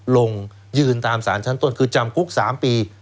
ลงยืนตามสารชั้นต้นคือจำคุก๓ปี